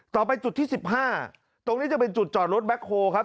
ต่อไปจุดที่๑๕ตรงนี้จะเป็นจุดจอดรถแบ็คโฮลครับ